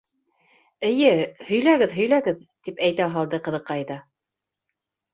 —Эйе, һөйләгеҙ, һөйләгеҙ, —тип әйтә һалды ҡыҙыҡай ҙа.